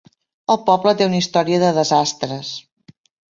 El poble té una història de desastres.